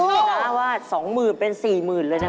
ชนะว่า๒๐๐๐เป็น๔๐๐๐เลยนะ